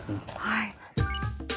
はい。